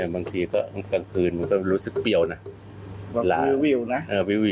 บางทีกลางคืนมันก็รู้สึกเปรี้ยวนะวิวนะเออวิว